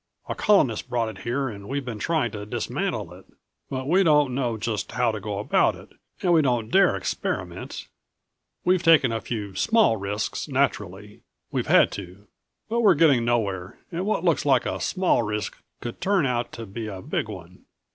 A Colonist brought it here and we've been trying to dismantle it. But we don't know just how to go about it and we don't dare experiment. We've taken a few small risks, naturally. We've had to. But we're getting nowhere, and what looks like a small risk could turn out to be a big one.